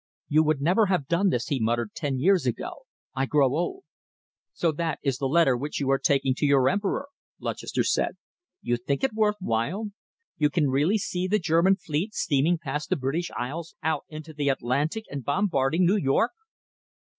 "You would never have done this," he muttered, "ten years ago, I grow old." "So that is the letter which you are taking to your Emperor!" Lutchester said. "You think it worth while! You can really see the German fleet steaming past the British Isles, out into the Atlantic, and bombarding New York!"